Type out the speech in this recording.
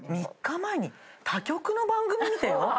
３日前に他局の番組見てよ。